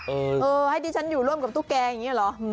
เออให้ดิฉันอยู่ร่วมกับตุ๊กแกอย่างนี้เหรอ